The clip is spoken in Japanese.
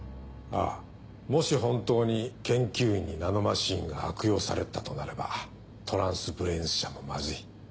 ああもし本当に研究員にナノマシンが悪用されたとなればトランスブレインズ社もマズい。